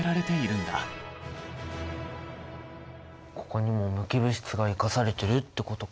ここにも無機物質が生かされてるってことか。